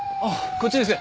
こっちです。